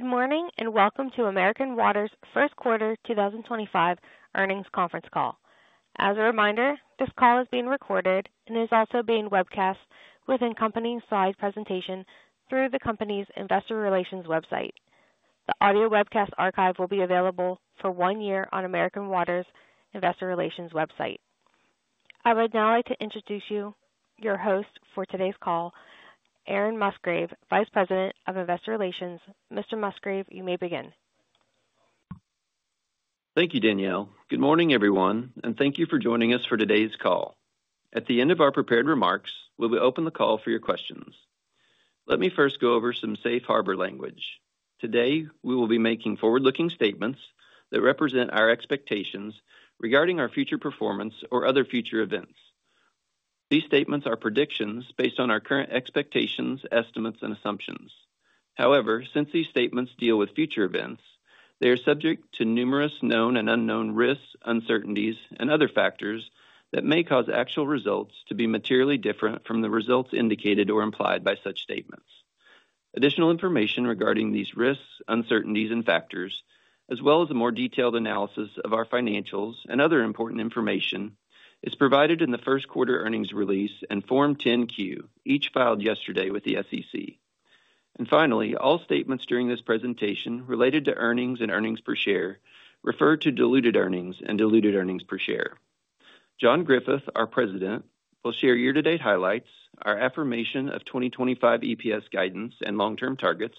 Good morning and welcome to American Water's first quarter 2025 earnings conference call. As a reminder, this call is being recorded and is also being webcast within the company's slide presentation through the company's investor relations website. The audio webcast archive will be available for one year on American Water's investor relations website. I would now like to introduce you, your host for today's call, Aaron Musgrave, Vice President of Investor Relations. Mr. Musgrave, you may begin. Thank you, Danielle. Good morning, everyone, and thank you for joining us for today's call. At the end of our prepared remarks, we'll be opening the call for your questions. Let me first go over some safe harbor language. Today, we will be making forward-looking statements that represent our expectations regarding our future performance or other future events. These statements are predictions based on our current expectations, estimates, and assumptions. However, since these statements deal with future events, they are subject to numerous known and unknown risks, uncertainties, and other factors that may cause actual results to be materially different from the results indicated or implied by such statements. Additional information regarding these risks, uncertainties, and factors, as well as a more detailed analysis of our financials and other important information, is provided in the first quarter earnings release and Form 10Q, each filed yesterday with the SEC. All statements during this presentation related to earnings and earnings per share refer to diluted earnings and diluted earnings per share. John Griffith, our President, will share year-to-date highlights, our affirmation of 2025 EPS guidance and long-term targets,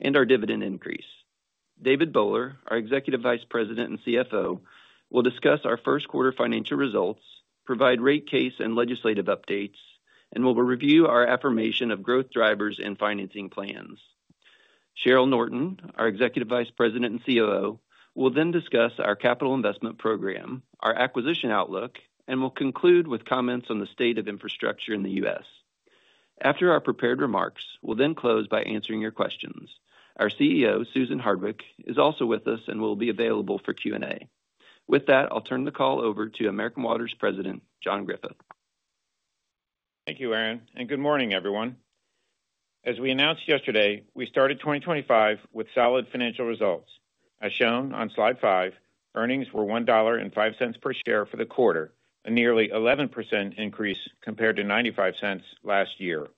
and our dividend increase. David Bowler, our Executive Vice President and CFO, will discuss our first quarter financial results, provide rate case and legislative updates, and will review our affirmation of growth drivers and financing plans. Cheryl Norton, our Executive Vice President and COO, will then discuss our capital investment program, our acquisition outlook, and will conclude with comments on the state of infrastructure in the U.S. After our prepared remarks, we'll then close by answering your questions. Our CEO, Susan Hardwick, is also with us and will be available for Q&A. With that, I'll turn the call over to American Water's President, John Griffith. Thank you, Aaron, and good morning, everyone. As we announced yesterday, we started 2025 with solid financial results. As shown on slide five, earnings were $1.05 per share for the quarter, a nearly 11% increase compared to $0.95 last year.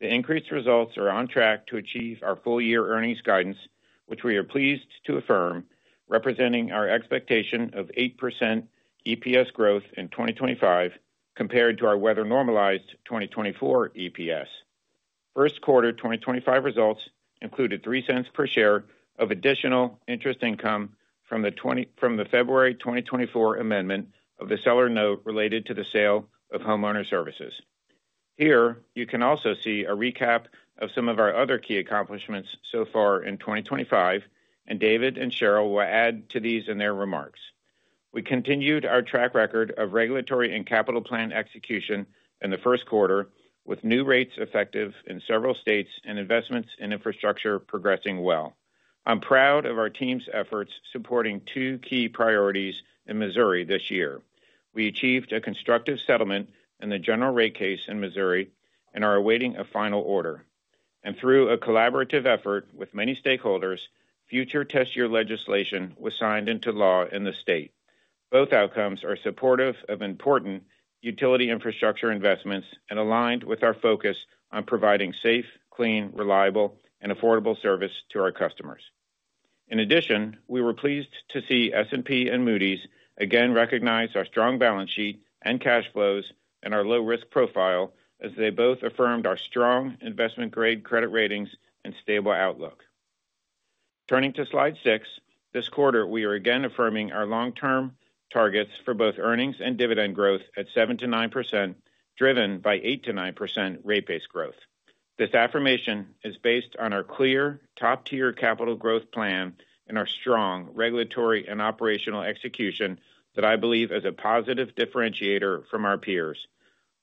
The increased results are on track to achieve our full-year earnings guidance, which we are pleased to affirm, representing our expectation of 8% EPS growth in 2025 compared to our weather-normalized 2024 EPS. First quarter 2025 results included $0.03 per share of additional interest income from the February 2024 amendment of the seller note related to the sale of homeowner services. Here, you can also see a recap of some of our other key accomplishments so far in 2025, and David and Cheryl will add to these in their remarks. We continued our track record of regulatory and capital plan execution in the first quarter, with new rates effective in several states and investments in infrastructure progressing well. I'm proud of our team's efforts supporting two key priorities in Missouri this year. We achieved a constructive settlement in the general rate case in Missouri and are awaiting a final order. Through a collaborative effort with many stakeholders, future test year legislation was signed into law in the state. Both outcomes are supportive of important utility infrastructure investments and aligned with our focus on providing safe, clean, reliable, and affordable service to our customers. In addition, we were pleased to see S&P and Moody's again recognize our strong balance sheet and cash flows and our low-risk profile as they both affirmed our strong investment-grade credit ratings and stable outlook. Turning to slide six, this quarter, we are again affirming our long-term targets for both earnings and dividend growth at 7%-9%, driven by 8%-9% rate-based growth. This affirmation is based on our clear top-tier capital growth plan and our strong regulatory and operational execution that I believe is a positive differentiator from our peers.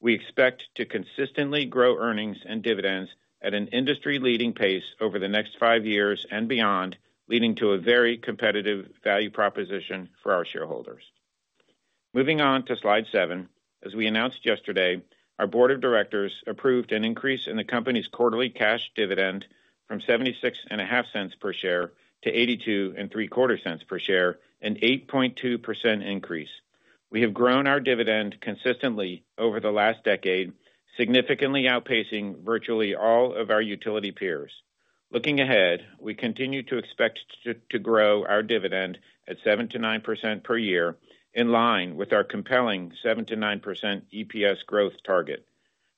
We expect to consistently grow earnings and dividends at an industry-leading pace over the next five years and beyond, leading to a very competitive value proposition for our shareholders. Moving on to slide seven, as we announced yesterday, our board of directors approved an increase in the company's quarterly cash dividend from $0.76 per share to $0.82 and $0.75 per share, an 8.2% increase. We have grown our dividend consistently over the last decade, significantly outpacing virtually all of our utility peers. Looking ahead, we continue to expect to grow our dividend at 7%-9% per year, in line with our compelling 7%-9% EPS growth target.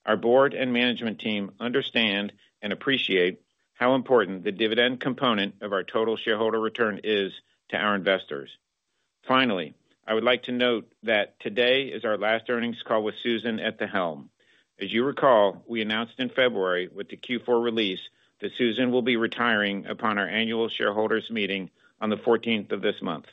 Our board and management team understand and appreciate how important the dividend component of our total shareholder return is to our investors. Finally, I would like to note that today is our last earnings call with Susan at the helm. As you recall, we announced in February with the Q4 release that Susan will be retiring upon our annual shareholders' meeting on the 14th of this month.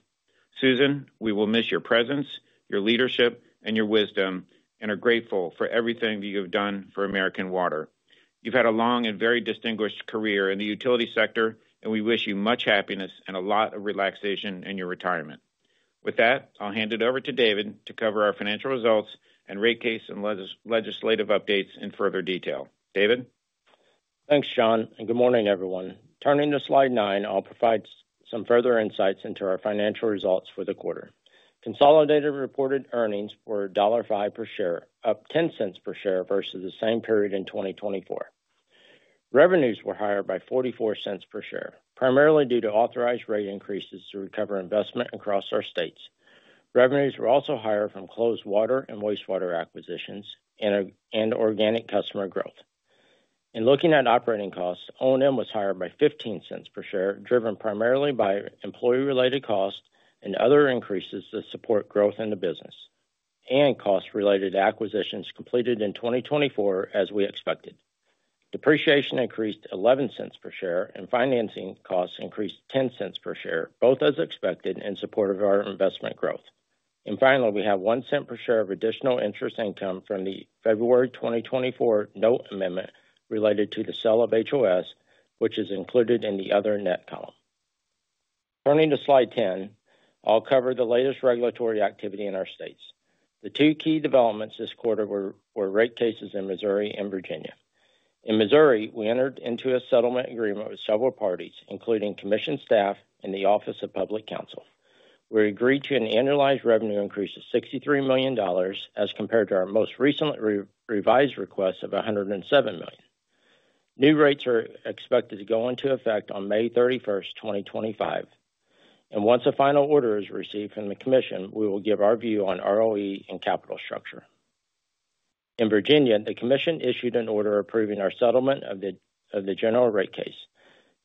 Susan, we will miss your presence, your leadership, and your wisdom, and are grateful for everything you have done for American Water. You've had a long and very distinguished career in the utility sector, and we wish you much happiness and a lot of relaxation in your retirement. With that, I'll hand it over to David to cover our financial results and rate case and legislative updates in further detail. David? Thanks, John, and good morning, everyone. Turning to slide nine, I'll provide some further insights into our financial results for the quarter. Consolidated reported earnings were $1.05 per share, up $0.10 per share versus the same period in 2024. Revenues were higher by $0.44 per share, primarily due to authorized rate increases to recover investment across our states. Revenues were also higher from closed water and wastewater acquisitions and organic customer growth. In looking at operating costs, O&M was higher by $0.15 per share, driven primarily by employee-related costs and other increases that support growth in the business, and cost-related acquisitions completed in 2024, as we expected. Depreciation increased $0.11 per share, and financing costs increased $0.10 per share, both as expected in support of our investment growth. Finally, we have $0.01 per share of additional interest income from the February 2024 note amendment related to the sale of HOS, which is included in the other net column. Turning to slide 10, I'll cover the latest regulatory activity in our states. The two key developments this quarter were rate cases in Missouri and Virginia. In Missouri, we entered into a settlement agreement with several parties, including commission staff and the Office of Public Counsel. We agreed to an annualized revenue increase of $63 million as compared to our most recent revised request of $107 million. New rates are expected to go into effect on May 31st, 2025. Once a final order is received from the commission, we will give our view on ROE and capital structure. In Virginia, the commission issued an order approving our settlement of the general rate case.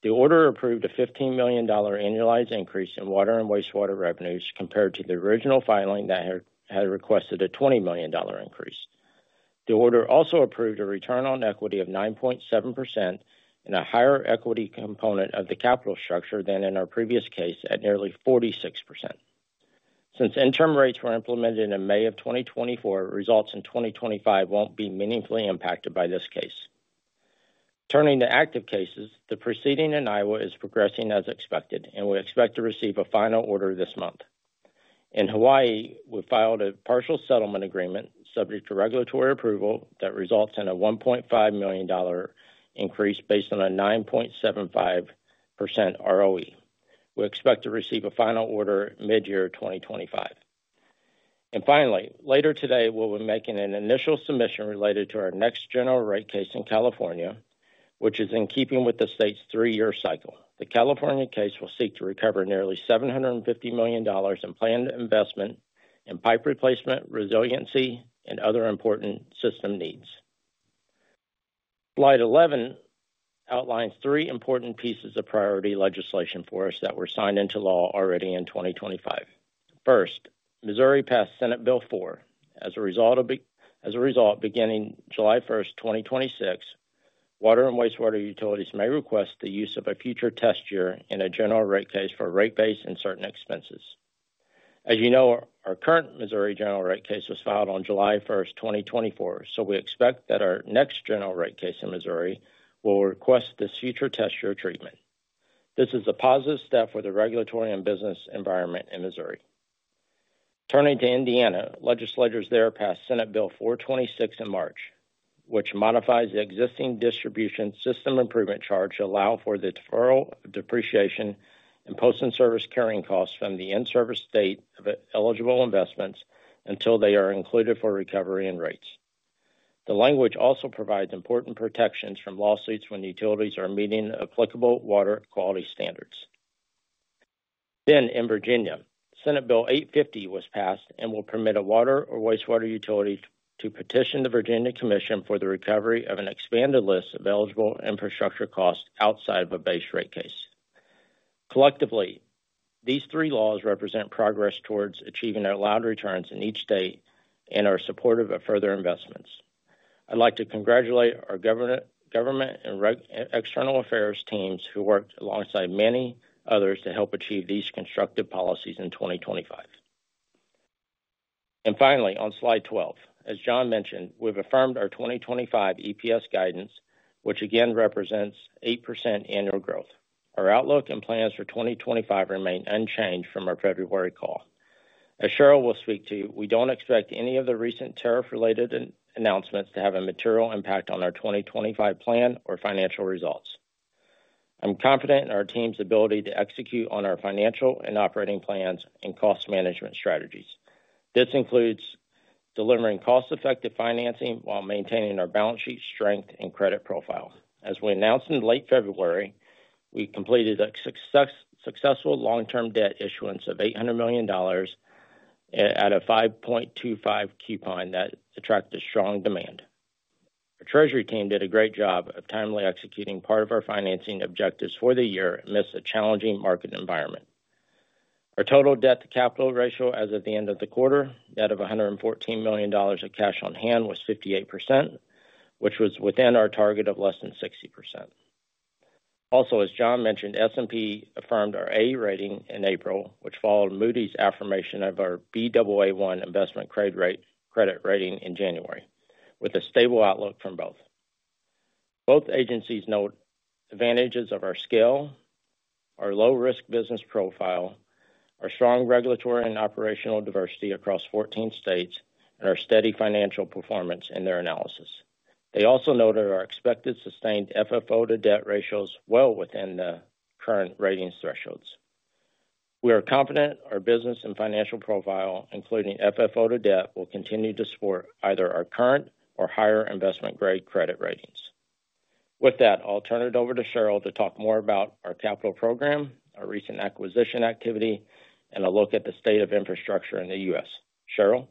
The order approved a $15 million annualized increase in water and wastewater revenues compared to the original filing that had requested a $20 million increase. The order also approved a return on equity of 9.7% and a higher equity component of the capital structure than in our previous case at nearly 46%. Since interim rates were implemented in May of 2024, results in 2025 will not be meaningfully impacted by this case. Turning to active cases, the proceeding in Iowa is progressing as expected, and we expect to receive a final order this month. In Hawaii, we filed a partial settlement agreement subject to regulatory approval that results in a $1.5 million increase based on a 9.75% ROE. We expect to receive a final order mid-year 2025. Finally, later today, we'll be making an initial submission related to our next general rate case in California, which is in keeping with the state's three-year cycle. The California case will seek to recover nearly $750 million in planned investment in pipe replacement, resiliency, and other important system needs. Slide 11 outlines three important pieces of priority legislation for us that were signed into law already in 2025. First, Missouri passed Senate Bill 4. As a result, beginning July 1st, 2026, water and wastewater utilities may request the use of a future test year in a general rate case for rate-based and certain expenses. As you know, our current Missouri general rate case was filed on July 1st, 2024, so we expect that our next general rate case in Missouri will request this future test year treatment. This is a positive step for the regulatory and business environment in Missouri. Turning to Indiana, legislators there passed Senate Bill 426 in March, which modifies the existing distribution system improvement charge to allow for the deferral of depreciation and post-service carrying costs from the in-service state of eligible investments until they are included for recovery and rates. The language also provides important protections from lawsuits when utilities are meeting applicable water quality standards. In Virginia, Senate Bill 850 was passed and will permit a water or wastewater utility to petition the Virginia Commission for the recovery of an expanded list of eligible infrastructure costs outside of a base rate case. Collectively, these three laws represent progress towards achieving our allowed returns in each state and are supportive of further investments. I'd like to congratulate our government and external affairs teams who worked alongside many others to help achieve these constructive policies in 2025. Finally, on slide 12, as John mentioned, we've affirmed our 2025 EPS guidance, which again represents 8% annual growth. Our outlook and plans for 2025 remain unchanged from our February call. As Cheryl will speak to, we don't expect any of the recent tariff-related announcements to have a material impact on our 2025 plan or financial results. I'm confident in our team's ability to execute on our financial and operating plans and cost management strategies. This includes delivering cost-effective financing while maintaining our balance sheet strength and credit profile. As we announced in late February, we completed a successful long-term debt issuance of $800 million at a 5.25% coupon that attracted strong demand. Our treasury team did a great job of timely executing part of our financing objectives for the year amidst a challenging market environment. Our total debt-to-capital ratio as of the end of the quarter, that of $114 million of cash on hand, was 58%, which was within our target of less than 60%. Also, as John mentioned, S&P affirmed our A rating in April, which followed Moody's affirmation of our BAA1 investment credit rating in January, with a stable outlook from both. Both agencies note advantages of our scale, our low-risk business profile, our strong regulatory and operational diversity across 14 states, and our steady financial performance in their analysis. They also noted our expected sustained FFO-to-debt ratios well within the current ratings thresholds. We are confident our business and financial profile, including FFO-to-debt, will continue to support either our current or higher investment-grade credit ratings. With that, I'll turn it over to Cheryl to talk more about our capital program, our recent acquisition activity, and a look at the state of infrastructure in the U.S. Cheryl?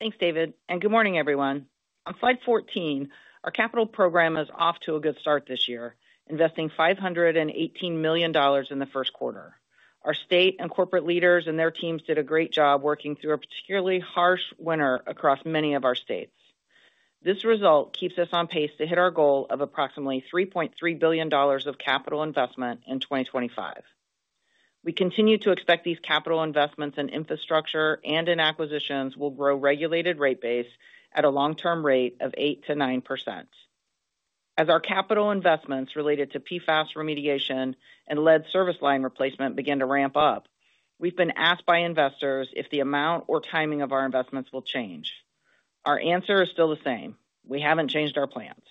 Thanks, David. Good morning, everyone. On slide 14, our capital program is off to a good start this year, investing $518 million in the first quarter. Our state and corporate leaders and their teams did a great job working through a particularly harsh winter across many of our states. This result keeps us on pace to hit our goal of approximately $3.3 billion of capital investment in 2025. We continue to expect these capital investments in infrastructure and in acquisitions will grow regulated rate-based at a long-term rate of 8%-9%. As our capital investments related to PFAS remediation and lead service line replacement begin to ramp up, we've been asked by investors if the amount or timing of our investments will change. Our answer is still the same. We haven't changed our plans.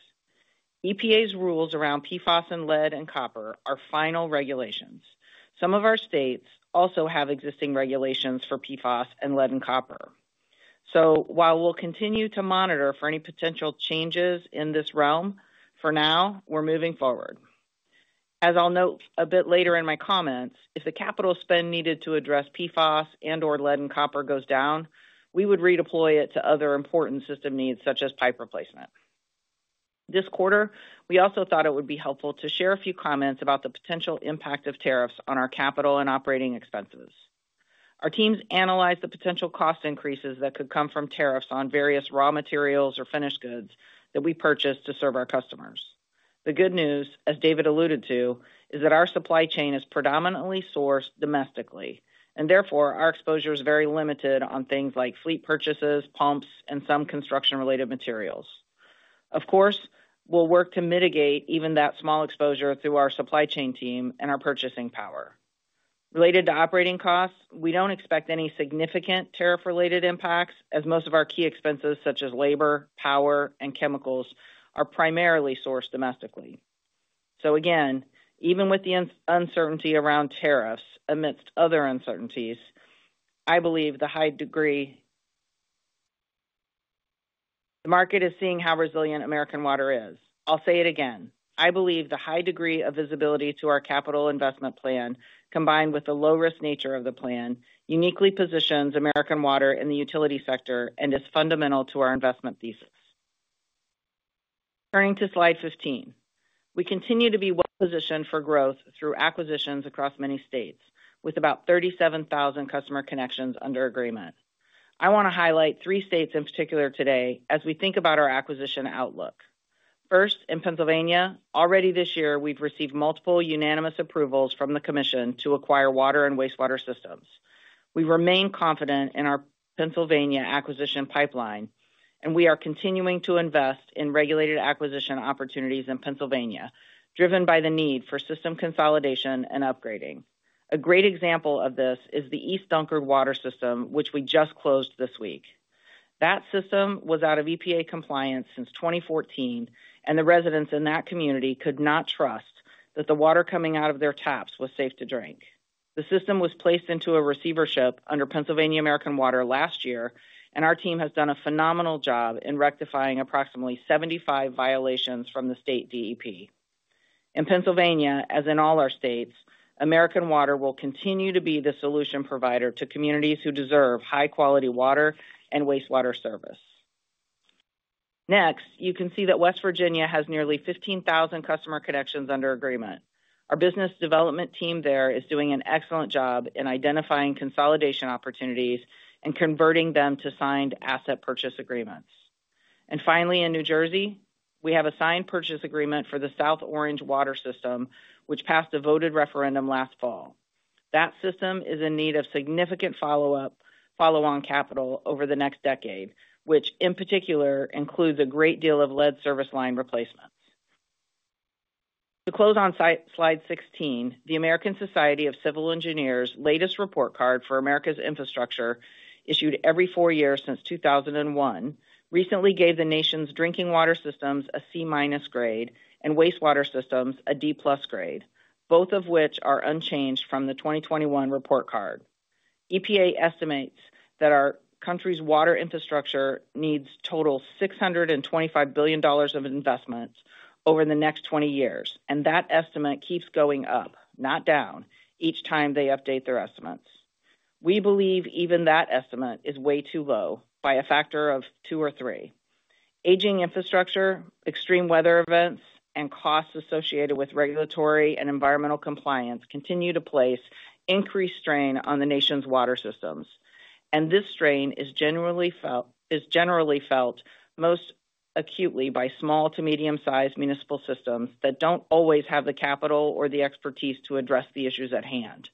EPA's rules around PFAS and lead and copper are final regulations. Some of our states also have existing regulations for PFAS and lead and copper. While we'll continue to monitor for any potential changes in this realm, for now, we're moving forward. As I'll note a bit later in my comments, if the capital spend needed to address PFAS and/or lead and copper goes down, we would redeploy it to other important system needs, such as pipe replacement. This quarter, we also thought it would be helpful to share a few comments about the potential impact of tariffs on our capital and operating expenses. Our teams analyze the potential cost increases that could come from tariffs on various raw materials or finished goods that we purchase to serve our customers. The good news, as David alluded to, is that our supply chain is predominantly sourced domestically, and therefore our exposure is very limited on things like fleet purchases, pumps, and some construction-related materials. Of course, we'll work to mitigate even that small exposure through our supply chain team and our purchasing power. Related to operating costs, we don't expect any significant tariff-related impacts, as most of our key expenses, such as labor, power, and chemicals, are primarily sourced domestically. Again, even with the uncertainty around tariffs amidst other uncertainties, I believe the high degree the market is seeing how resilient American Water is. I'll say it again. I believe the high degree of visibility to our capital investment plan, combined with the low-risk nature of the plan, uniquely positions American Water in the utility sector and is fundamental to our investment thesis. Turning to slide 15, we continue to be well-positioned for growth through acquisitions across many states, with about 37,000 customer connections under agreement. I want to highlight three states in particular today as we think about our acquisition outlook. First, in Pennsylvania, already this year, we've received multiple unanimous approvals from the commission to acquire water and wastewater systems. We remain confident in our Pennsylvania acquisition pipeline, and we are continuing to invest in regulated acquisition opportunities in Pennsylvania, driven by the need for system consolidation and upgrading. A great example of this is the East Dunkard Water System, which we just closed this week. That system was out of EPA compliance since 2014, and the residents in that community could not trust that the water coming out of their taps was safe to drink. The system was placed into a receivership under Pennsylvania American Water last year, and our team has done a phenomenal job in rectifying approximately 75 violations from the state DEP. In Pennsylvania, as in all our states, American Water will continue to be the solution provider to communities who deserve high-quality water and wastewater service. Next, you can see that West Virginia has nearly 15,000 customer connections under agreement. Our business development team there is doing an excellent job in identifying consolidation opportunities and converting them to signed asset purchase agreements. Finally, in New Jersey, we have a signed purchase agreement for the South Orange Water System, which passed a voted referendum last fall. That system is in need of significant follow-on capital over the next decade, which in particular includes a great deal of lead service line replacements. To close on slide 16, the American Society of Civil Engineers' latest report card for America's infrastructure, issued every four years since 2001, recently gave the nation's drinking water systems a C- grade and wastewater systems a D+ grade, both of which are unchanged from the 2021 report card. EPA estimates that our country's water infrastructure needs a total of $625 billion of investments over the next 20 years, and that estimate keeps going up, not down, each time they update their estimates. We believe even that estimate is way too low by a factor of two or three. Aging infrastructure, extreme weather events, and costs associated with regulatory and environmental compliance continue to place increased strain on the nation's water systems. This strain is generally felt most acutely by small to medium-sized municipal systems that do not always have the capital or the expertise to address the issues at hand.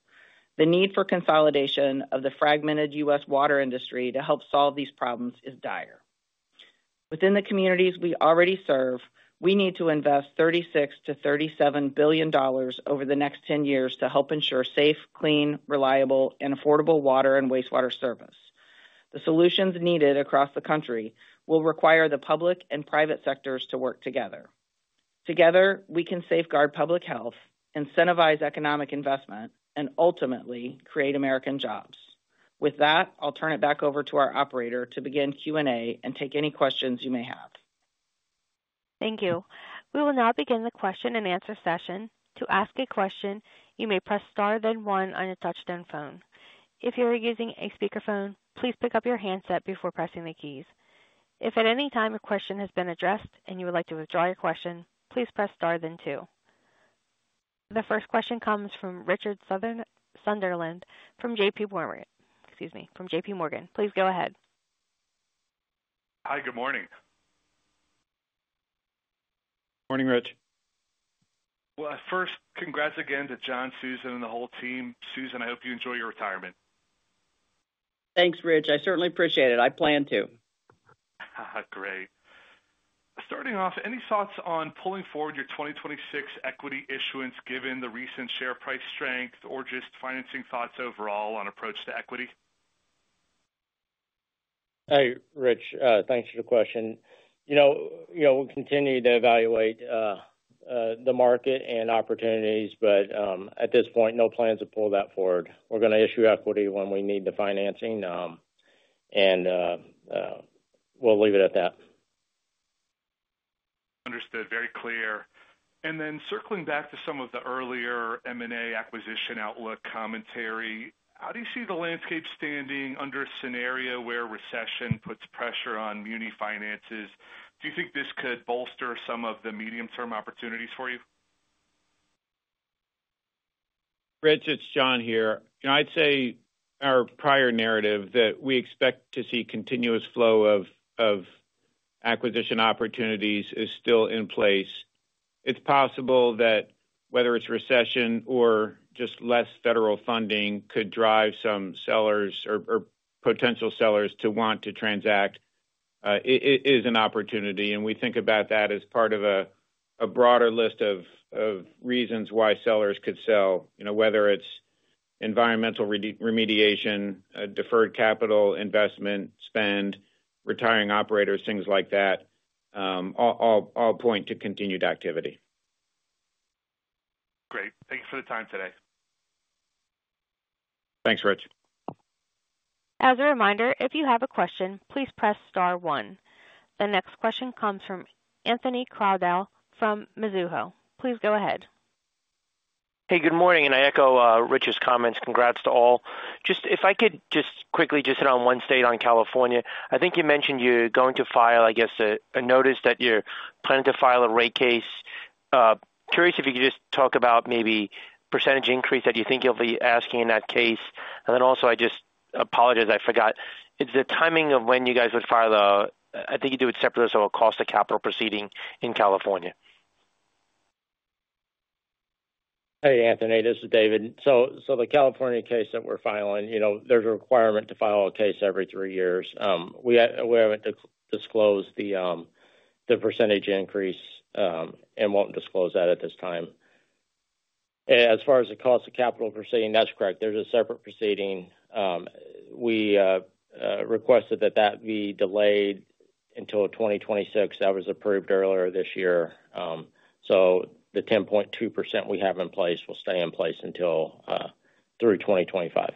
The need for consolidation of the fragmented U.S. water industry to help solve these problems is dire. Within the communities we already serve, we need to invest $36 billion-$37 billion over the next 10 years to help ensure safe, clean, reliable, and affordable water and wastewater service. The solutions needed across the country will require the public and private sectors to work together. Together, we can safeguard public health, incentivize economic investment, and ultimately create American jobs. With that, I will turn it back over to our operator to begin Q&A and take any questions you may have. Thank you. We will now begin the question-and-answer session. To ask a question, you may press star then one on a touch-tone phone. If you're using a speakerphone, please pick up your handset before pressing the keys. If at any time a question has been addressed and you would like to withdraw your question, please press star then two. The first question comes from Richard Sunderland from JPMorgan. Excuse me, from JPMorgan. Please go ahead. Hi, good morning. Morning, Rich. First, congrats again to John, Susan, and the whole team. Susan, I hope you enjoy your retirement. Thanks, Rich. I certainly appreciate it. I plan to. Great. Starting off, any thoughts on pulling forward your 2026 equity issuance given the recent share price strength or just financing thoughts overall on approach to equity? Hey, Rich, thanks for the question. You know, we'll continue to evaluate the market and opportunities, but at this point, no plans to pull that forward. We're going to issue equity when we need the financing, and we'll leave it at that. Understood. Very clear. Circling back to some of the earlier M&A acquisition outlook commentary, how do you see the landscape standing under a scenario where recession puts pressure on muni finances? Do you think this could bolster some of the medium-term opportunities for you? Rich, it's John here. You know, I'd say our prior narrative that we expect to see continuous flow of acquisition opportunities is still in place. It's possible that whether it's recession or just less federal funding could drive some sellers or potential sellers to want to transact. It is an opportunity, and we think about that as part of a broader list of reasons why sellers could sell, you know, whether it's environmental remediation, deferred capital investment, spend, retiring operators, things like that, all point to continued activity. Great. Thank you for the time today. Thanks, Rich. As a reminder, if you have a question, please press star one. The next question comes from Anthony Crowdell from Mizuho. Please go ahead. Hey, good morning, and I echo Rich's comments. Congrats to all. Just if I could just quickly hit on one state, on California. I think you mentioned you're going to file, I guess, a notice that you're planning to file a rate case. Curious if you could just talk about maybe percentage increase that you think you'll be asking in that case. Also, I just apologize, I forgot. It's the timing of when you guys would file the, I think you do it separately as a cost of capital proceeding in California. Hey, Anthony, this is David. The California case that we're filing, you know, there's a requirement to file a case every three years. We haven't disclosed the percentage increase and won't disclose that at this time. As far as the cost of capital proceeding, that's correct. There's a separate proceeding. We requested that that be delayed until 2026. That was approved earlier this year. The 10.2% we have in place will stay in place through 2025.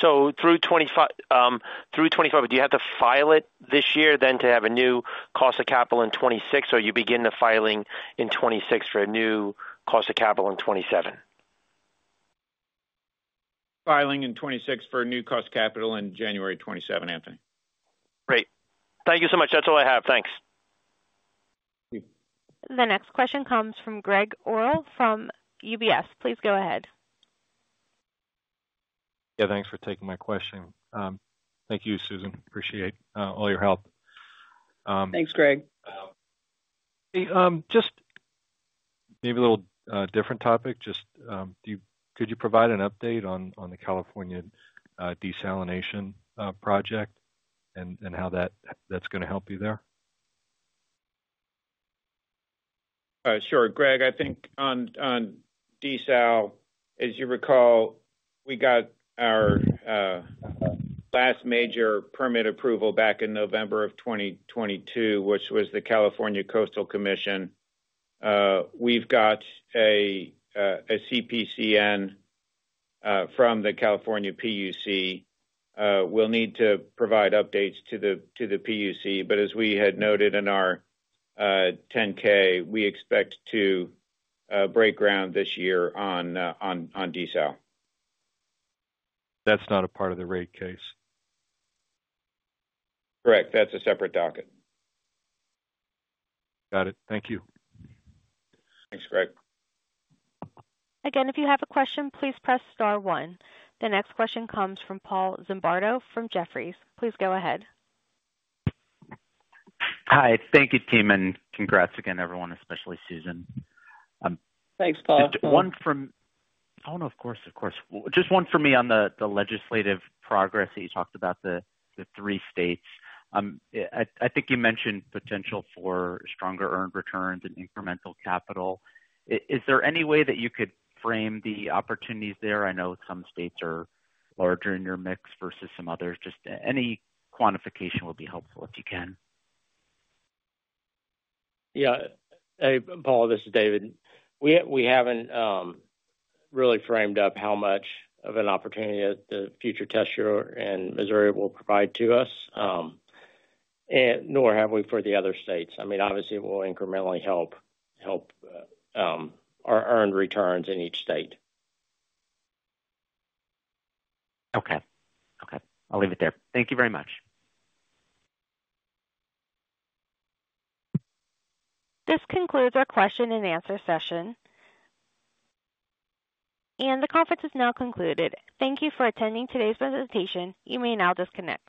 Through 2025, do you have to file it this year then to have a new cost of capital in 2026, or are you beginning the filing in 2026 for a new cost of capital in 2027? Filing in 2026 for a new cost of capital in January 2027, Anthony. Great. Thank you so much. That's all I have. Thanks. The next question comes from Gregg Orrill from UBS. Please go ahead. Yeah, thanks for taking my question. Thank you, Susan. Appreciate all your help. Thanks, Gregg. Hey, just maybe a little different topic. Just could you provide an update on the California desalination project and how that's going to help you there? Sure. Gregg, I think on desal, as you recall, we got our last major permit approval back in November of 2022, which was the California Coastal Commission. We've got a CPCN from the California PUC. We'll need to provide updates to the PUC, but as we had noted in our 10-K, we expect to break ground this year on desal. That's not a part of the rate case. Correct. That's a separate docket. Got it. Thank you. Thanks, Greg. Again, if you have a question, please press star one. The next question comes from Paul Zimbardo from Jefferies. Please go ahead. Hi. Thank you, team, and congrats again, everyone, especially Susan. Thanks, Paul. One from—oh, no, of course, of course. Just one for me on the legislative progress that you talked about the three states. I think you mentioned potential for stronger earned returns and incremental capital. Is there any way that you could frame the opportunities there? I know some states are larger in your mix versus some others. Just any quantification would be helpful if you can. Yeah. Hey, Paul, this is David. We haven't really framed up how much of an opportunity the future test year in Missouri will provide to us, nor have we for the other states. I mean, obviously, it will incrementally help our earned returns in each state. Okay. Okay. I'll leave it there. Thank you very much. This concludes our question-and answer session. The conference is now concluded. Thank you for attending today's presentation. You may now disconnect.